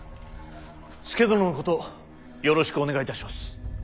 佐殿のことよろしくお願いいたします。